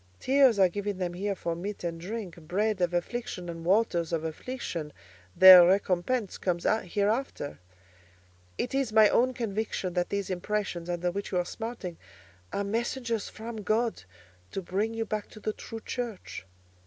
Tears are given them here for meat and drink—bread of affliction and waters of affliction—their recompence comes hereafter. It is my own conviction that these impressions under which you are smarting are messengers from God to bring you back to the true Church.